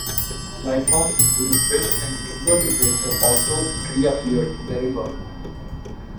Lifeforms including fish and invertebrates have also reappeared in the river.